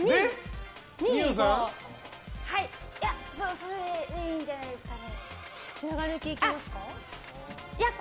それでいいんじゃないですかね。